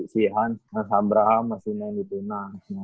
si hans hans abraham masih main di tuna